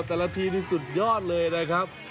โอ้โฮแต่ละทีหนึ่งสุดยอดเลยนะครับ